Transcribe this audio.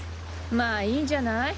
まぁいいんじゃない？